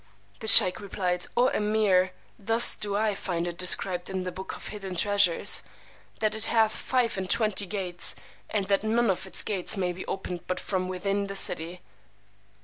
The sheykh replied, O Emeer, thus do I find it described in the Book of Hidden Treasures; that it hath five and twenty gates, and that none of its gates may be opened but from within the city.